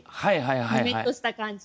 ぬめっとした感じ